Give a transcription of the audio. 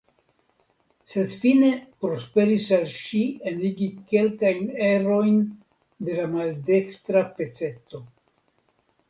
Sed fine prosperis al ŝi enigi kelkajn erojn de la maldekstra peceto.